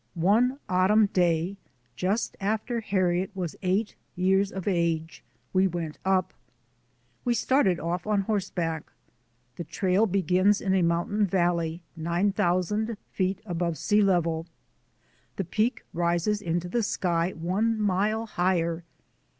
One autumn day, just after Harriet was eight years of age, we went up. We started off on horseback. The trail begins in a mountain valley, 9,000 feet above sea level. The Peak rises in the sky one mile higher.